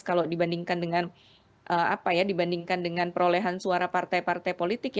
kalau dibandingkan dengan perolehan suara partai partai politik